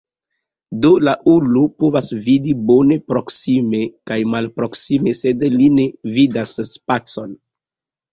Do la ulo povas vidi bone proksime kaj malproksime, sed li ne vidas spacon.